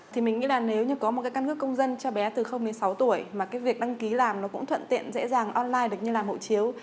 thì mình nghĩ là nếu như có một cái căn cước công dân cho bé từ đến sáu tuổi mà cái việc đăng ký làm nó cũng thuận tiện dễ dàng online được như làm hộ chiếu